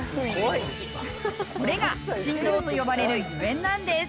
これが神童と呼ばれるゆえんなんです